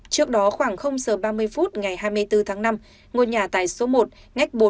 trước đó khoảng giờ ba mươi phút ngày hai mươi bốn tháng năm ngôi nhà tài số một ngách bốn mươi ba trên chín